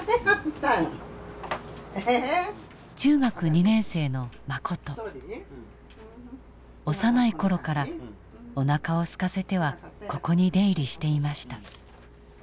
中学２年生の幼い頃からおなかをすかせてはここに出入りしていました。